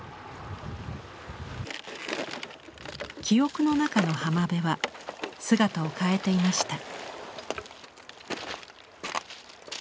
記憶の中の浜辺は姿を変えていました。